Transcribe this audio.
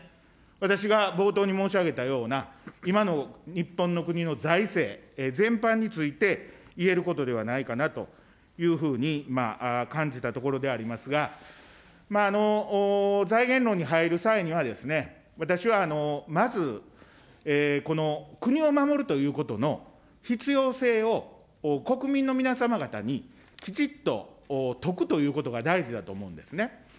私が冒頭に申し上げたような今の日本の国の財政全般について言えることではないかなというふうに感じたところでありますが、財源論に入る際には、私はまずこの国を守るということの必要性を国民の皆様方にきちっと説くということが大事だと思うんですね。